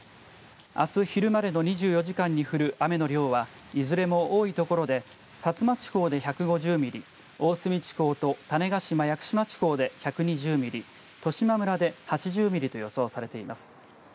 あす昼までの２４時間に降る雨の量は、いずれも多い所で薩摩地方で１５０ミリ、大隅地方と種子島・屋久島地方で１２０ミリ、十島村で８０ミリと予想されています。